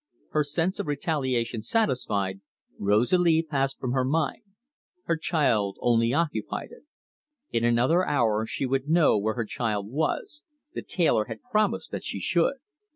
Her sense of retaliation satisfied, Rosalie passed from her mind; her child only occupied it. In another hour she would know where her child was the tailor had promised that she should.